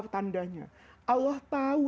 tandanya allah tahu